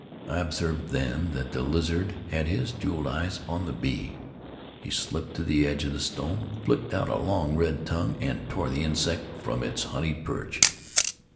I observed then that the lizard had his jewel eyes upon the bee; he slipped to the edge of the stone, flicked out a long, red tongue, and tore the insect from its honeyed perch.